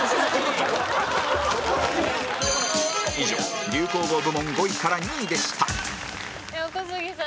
以上、流行語部門５位から２位でした小杉さん